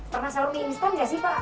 pernah selalu mie instan gak sih pak